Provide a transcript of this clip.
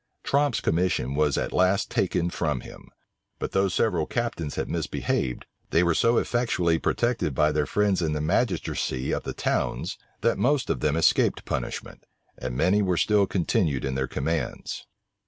Tromp's commission was at last taken from him; but though several captains had misbehaved, they were so effectually protected by their friends in the magistracy of the towns, that most of them escaped punishment, and many were still continued in their commands.